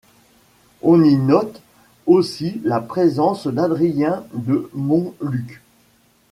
On y note aussi la présence d'Adrien de Monluc.